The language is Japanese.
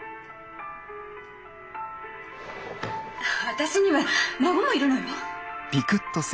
「私には孫もいるのよ」。